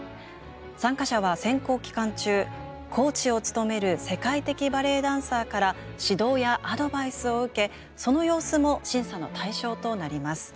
参加者は選考期間中コーチを務める世界的バレエダンサーから指導やアドバイスを受けその様子も審査の対象となります。